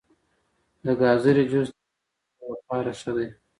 د ګازرې جوس د سترګو لپاره ښه دی.